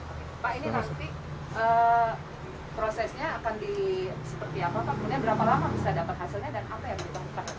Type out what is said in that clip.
pak ini nanti prosesnya akan di seperti apa pak